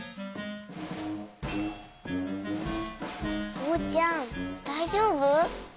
おうちゃんだいじょうぶ？